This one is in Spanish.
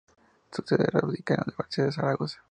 Su sede radicaba en la Universidad de Zaragoza.